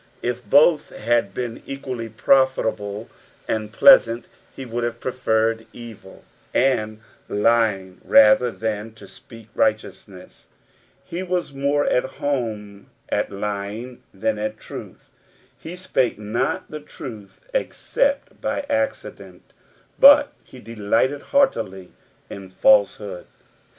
If both had been equally profitable and pleasant, he would have preferred evil, " And tying rather than, to sp^ak righleeusness.'^ He was more at heme at lying than at truth. He spake not the truth except by accident, but he delighted heaitilv ia falsehood.